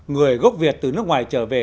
người gốc việt từ nước ngoài trở về